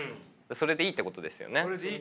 それでいいってことです。